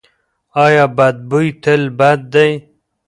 ایا بد بوی تل بد دی؟